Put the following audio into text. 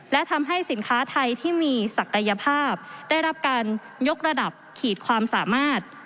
และทำให้สินค้าไทยที่มีศักยภาพได้รับการยกระดับขีดความสามารถ